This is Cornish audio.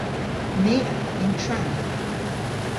My a yn tramm.